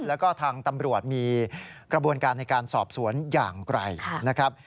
แล้วก็ทางตำรวจมีกระบวนการในการสอบสวนอย่างไกลนะครับ